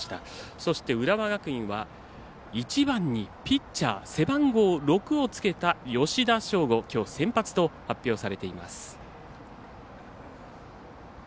そして、浦和学院は１番にピッチャー背番号６をつけた吉田匠吾、きょう先発と発表されています。